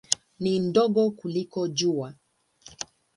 Ni ndogo kuliko Jua.